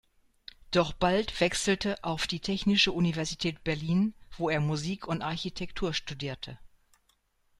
Doch bald wechselte auf die Technische Universität Berlin, wo er Musik und Architektur studierte.